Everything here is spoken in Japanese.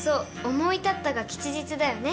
「思い立ったが吉日」だよね。